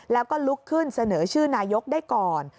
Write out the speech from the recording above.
แล้วก็ลุกขึ้นเสนอชื่อนายกได้ก่อน